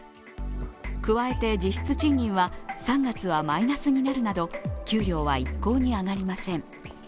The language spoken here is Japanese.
加えて実質賃金は３月はマイナスになるなど給料は一向に上がりません。